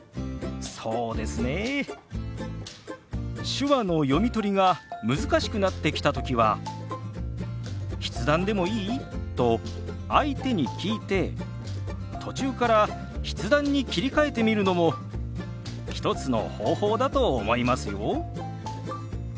手話の読み取りが難しくなってきた時は「筆談でもいい？」と相手に聞いて途中から筆談に切り替えてみるのも一つの方法だと思いますよ。